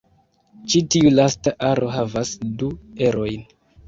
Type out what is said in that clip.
Ĉi tiu lasta aro havas du erojn.